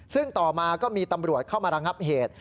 ซึ่งต่อมาก็มีตำรวจเข้ามาระงับเหตุ